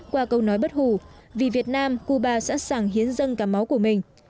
qua câu nói bất hủ vì việt nam cuba sẵn sàng hiến dâng cả máu của mình